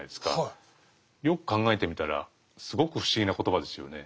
よく考えてみたらすごく不思議な言葉ですよね。